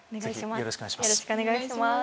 よろしくお願いします。